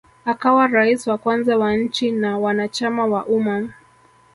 akawa rais wa kwanza wa nchi na wanachama wa Ummar